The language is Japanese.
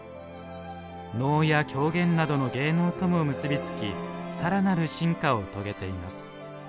能や狂言などの芸能とも結びつきさらなる進化を遂げています。